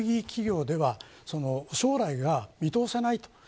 企業では将来が見通せないと。